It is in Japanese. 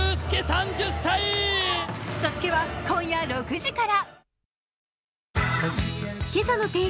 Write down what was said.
「ＳＡＳＵＫＥ」は今夜６時から。